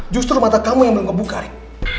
justru mata kamu yang belum kebuka rik